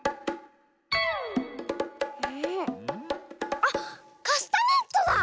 あっカスタネットだ！